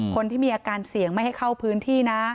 คนที่มีอาการเสี่ยงไม่ให้เข้าพื้นที่นะ